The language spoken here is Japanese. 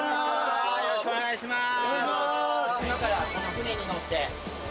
よろしくお願いします。